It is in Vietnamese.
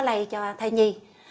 lây cho thai nhi